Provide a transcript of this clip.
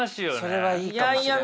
それはいいかもしれない。